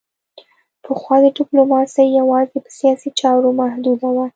پخوا ډیپلوماسي یوازې په سیاسي چارو محدوده وه